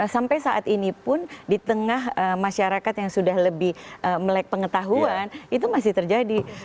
sampai saat ini pun di tengah masyarakat yang sudah lebih melek pengetahuan itu masih terjadi